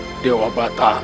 jaga dewa batar